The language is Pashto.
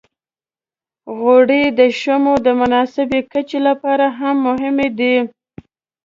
غوړې د شحمو د مناسبې کچې لپاره هم مهمې دي.